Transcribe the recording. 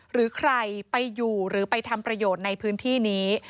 หรือใครไปอยู่หรือไปทำประโยชน์ในพื้นที่นี้